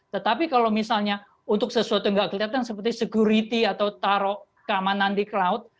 tetapi kalau misalnya untuk sesuatu yang tidak kelihatan seperti security atau taruh keamanan di cloud